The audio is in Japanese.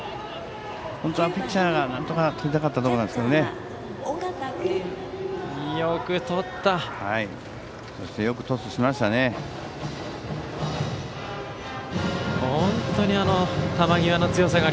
本当はピッチャーがなんとかとりたかったところなんですが。